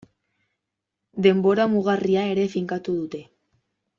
Denbora mugarria ere finkatu dute.